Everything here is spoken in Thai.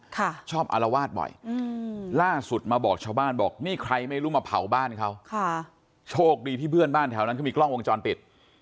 ชอบอารวาสบ่อยอืมล่าสุดมาบอกชาวบ้านบอกนี่ใครไม่รู้มาเผาบ้านเขาค่ะโชคดีที่เพื่อนบ้านแถวนั้นเขามีกล้องวงจรปิด